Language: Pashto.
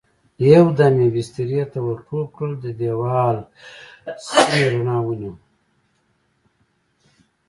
يو دم يې بسترې ته ور ټوپ کړل، دېوال سپينې رڼا ونيو.